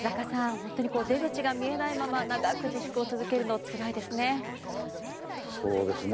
本当に出口が見えないまま長く自粛を続けるのつらいですね。